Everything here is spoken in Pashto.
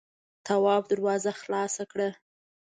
تواب دروازه خلاصه کړه.